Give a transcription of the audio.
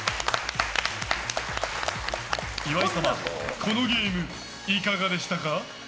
岩井様、このゲームいかがでしたか？